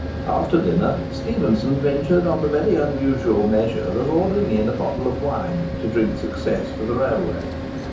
After dinner, Stephenson ventured on the very unusual measure of ordering in a bottle of wine, to drink success to the railway.